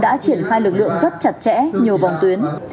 đã triển khai lực lượng rất chặt chẽ nhiều vòng tuyến